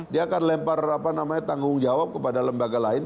dia akan lempar tanggung jawab kepada lembaga lain